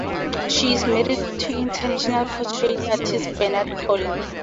She is married to international portrait artist Bernard Poulin.